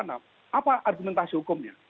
apa argumentasi hukumnya